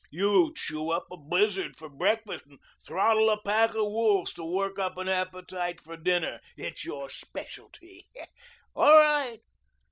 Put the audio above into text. You chew up a blizzard for breakfast and throttle a pack of wolves to work up an appetite for dinner. It's your specialty. All right.